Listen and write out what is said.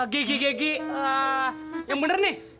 gigi gigi yang bener nih